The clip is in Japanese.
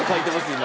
今。